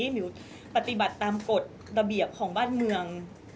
หมิวปฏิบัติตามกฎระเบียบของบ้านเมือง